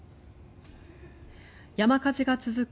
山火事が続く